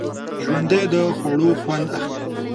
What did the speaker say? ژوندي د خوړو خوند اخلي